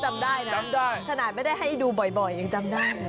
ชนะไม่ได้ให้ดูบ่อยยังจำได้